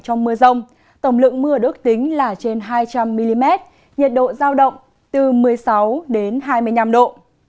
trong mưa rông tổng lượng mưa ước tính là trên hai trăm linh mm nhiệt độ giao động từ một mươi sáu đến hai mươi năm độ